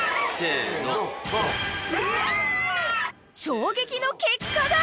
［衝撃の結果が］